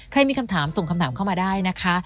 มีคำถามส่งคำถามเข้ามาได้นะคะ